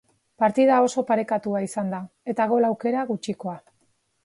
Partida oso parekatua izan da, eta gol-aukera gutxikoa.